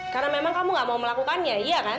karena memang kamu nggak mau melakukannya iya kan